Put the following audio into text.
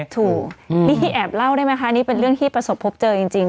ถูกนี่แอบเล่าได้ไหมคะนี่เป็นเรื่องที่ประสบพบเจอจริง